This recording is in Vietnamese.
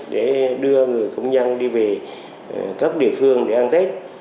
để đưa người công nhân đi về các địa phương để ăn tết